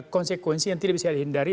konsekuensi yang tidak bisa dihindari